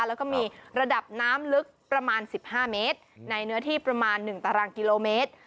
แล้วก็มีระดับน้ำลึกประมาณ๑๕เมตรในเนื้อที่ประมาณ๑ตารางกิโลเมตร